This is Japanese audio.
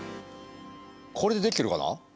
これでできてるかな？